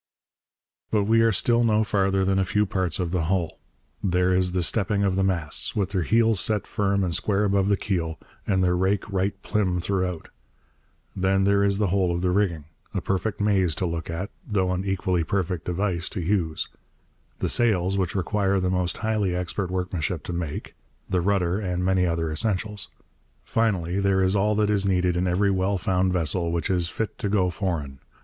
But we are still no farther than a few parts of the hull. There is the stepping of the masts, with their heels set firm and square above the keel, and their rake 'right plim' throughout. Then there is the whole of the rigging a perfect maze to look at, though an equally perfect device to use; the sails, which require the most highly expert workmanship to make; the rudder, and many other essentials. Finally, there is all that is needed in every well found vessel which is 'fit to go foreign.'